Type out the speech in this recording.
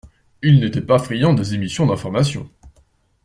Il n’était pas friand des émissions d’information.